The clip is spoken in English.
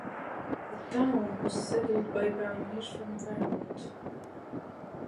The town was settled by pioneers from Vermont.